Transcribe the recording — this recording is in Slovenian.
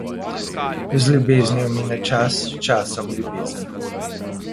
Z ljubeznijo mine čas, s časom ljubezen.